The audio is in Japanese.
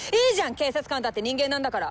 警察官だって人間なんだから。